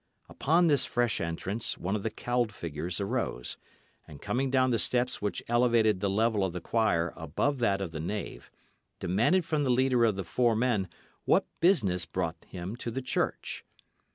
Upon this fresh entrance, one of the cowled figures arose, and, coming down the steps which elevated the level of the choir above that of the nave, demanded from the leader of the four men what business brought him to the church.